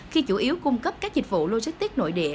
khi chủ yếu cung cấp các dịch vụ logistics nội địa